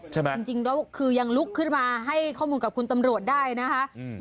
จริงแล้วคือยังลุกขึ้นมาให้ข้อมูลกับคุณตำรวจได้นะคะอืม